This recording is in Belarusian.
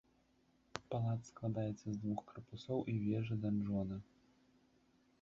Палац складаецца з двух карпусоў і вежы-данжона.